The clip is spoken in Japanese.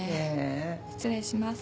失礼します。